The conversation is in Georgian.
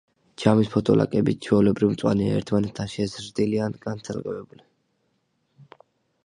ჯამის ფოთოლაკები ჩვეულებრივ მწვანეა, ერთმანეთთან შეზრდილი ან განცალკევებული.